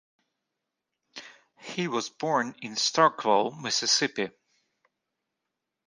He was born in Starkville, Mississippi.